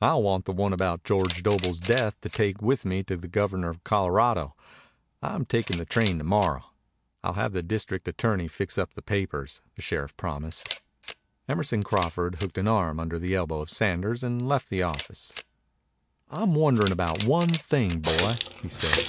I'll want the one about George Doble's death to take with me to the Governor of Colorado. I'm takin' the train to morrow." "I'll have the district attorney fix up the papers," the sheriff promised. Emerson Crawford hooked an arm under the elbow of Sanders and left the office. "I'm wonderin' about one thing, boy," he said.